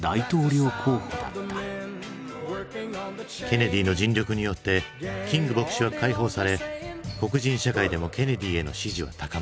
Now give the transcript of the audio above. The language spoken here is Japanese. ケネディの尽力によってキング牧師は解放され黒人社会でもケネディへの支持は高まる。